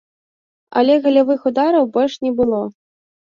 Але галявых удараў больш не было.